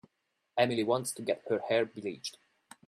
Emily wants to get her hair bleached.